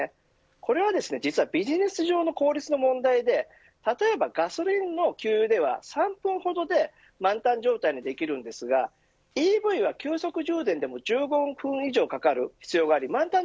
これは実はビジネス上の効率の問題で例えばガソリンの給油では３分ほどで満タン状態にできるんですがＥＶは急速充電でも１５分以上かかる必要があり満タン